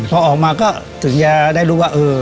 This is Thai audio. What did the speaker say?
พอออกมาก็ถึงจะได้รู้ว่าเออ